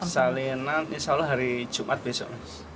salinan insya allah hari jumat besok